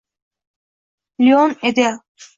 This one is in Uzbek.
Leon Edel